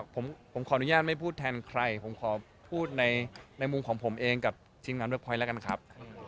ผมขออนุญาตไม่พูดแทนใครผมขอพูดในมุมของผมเองกับทีมงานเวิร์คพอยต์แล้วกันครับ